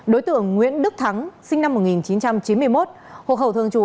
đối tượng nguyễn đức thắng sinh năm một nghìn chín trăm chín mươi một hồ khẩu thương chú